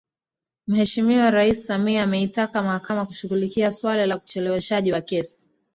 Mheshimiwa Rais Samia ameitaka Mahakama kushughulikia suala la ucheleweshwaji wa kesi